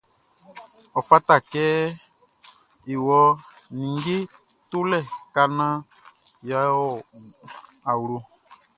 Ɔ fata kɛ e wɔ ninnge tolɛ ka naan yʼa wɔ awlo.